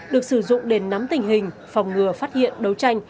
được sử dụng để nắm tình hình phòng ngừa phát hiện đấu tranh